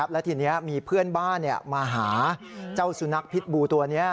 และทีนี้มีเพื่อนบ้านมาหาเจ้าสุนัขพิษบูตัวนี้